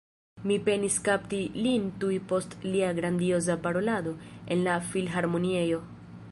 Mi penis kapti lin tuj post lia grandioza parolado en la Filharmoniejo.